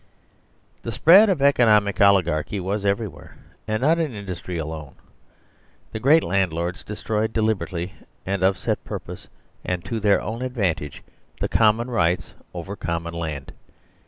The spread of economic oligarchy was everywhere, and not in industry alone. The great landlords de stroyed deliberately and of set purpose and to their own ad vantage the common rights over common land.